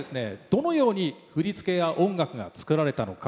「どのように振り付けや音楽が作られたのか？」